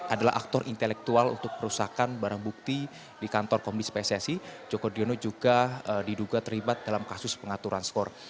adalah aktor intelektual untuk perusahaan barang bukti di kantor komisi pssi joko driono juga diduga terlibat dalam kasus pengaturan skor